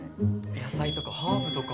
野菜とかハーブとか。